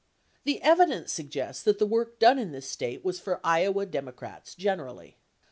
The evidence suggests that the work done in this State was for Iowa Democrats generally.